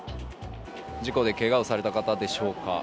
事故でけがをされた方でしょうか